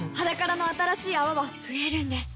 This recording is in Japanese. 「ｈａｄａｋａｒａ」の新しい泡は増えるんです